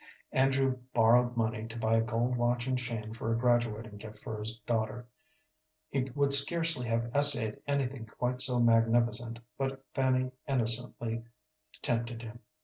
Andrew borrowed money to buy a gold watch and chain for a graduating gift for his daughter. He would scarcely have essayed anything quite so magnificent, but Fanny innocently tempted him.